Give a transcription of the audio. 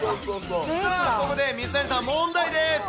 さあ、ここで水谷さん、問題です。